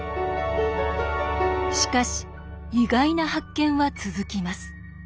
しかし意外な発見は続きます。